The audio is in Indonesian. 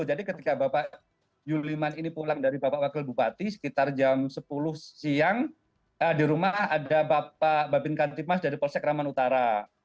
ketika bapak yuliman ini pulang dari bapak wakil bupati sekitar jam sepuluh siang di rumah ada bapak babin kantipmas dari polsek raman utara